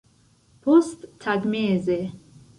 posttagmezo